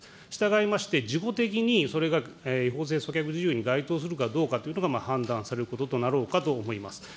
したがいまして、事後的にそれが違法性阻却事由に該当するかどうかということが判断されることとなろうかと思います。